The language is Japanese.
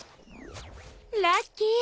ラッキー。